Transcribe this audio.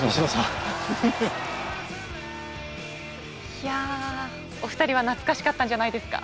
いやお二人は懐かしかったんじゃないですか？